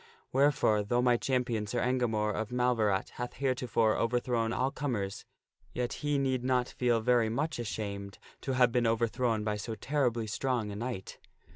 Wherefore, though my champion Sir Engamore of Mal verat hath heretofore overthrown all comers, yet he need not feel very much ashamed to have been overthrown by so terribly strong a knight."